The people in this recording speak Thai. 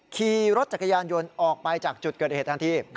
ขี่รถจักรยานยนต์ออกไปจากจุดเกิดเหตุทันที